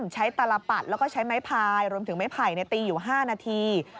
ตลปัดแล้วก็ใช้ไม้พายรวมถึงไม้ไผ่ตีอยู่๕นาที